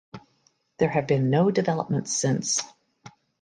There have been no developments since.